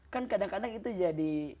kan kadang kadang itu jadi